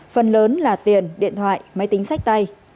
phần lớn là tiền điện thoại máy tính sách tay